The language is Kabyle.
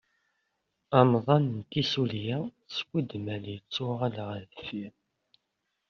Amḍan n tissulya skudmal yettuɣal ɣer deffir.